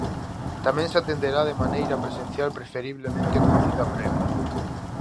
Tamén se atenderá de maneira presencial preferiblemente con cita previa.